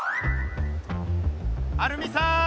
アルミさん！